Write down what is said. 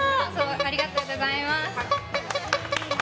ありがとうございます。